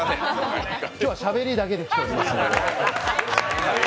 今日はしゃべりだけで来ております。